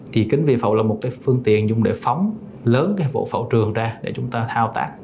thì kính vi phẫu là một cái phương tiện dùng để phóng lớn cái vỗ phẫu trường ra để chúng ta thao tác